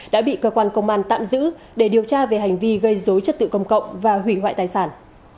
đã bị cơ quan công an tạm giữ để điều tra về hành vi gây dối trật tự công cộng và hủy hoại tài sản